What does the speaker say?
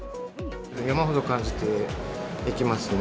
山ほど感じていきますね。